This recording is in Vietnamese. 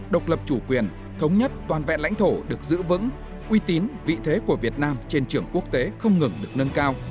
độc lập chủ quyền thống nhất toàn vẹn lãnh thổ được giữ vững uy tín vị thế của việt nam trên trường quốc tế không ngừng được nâng cao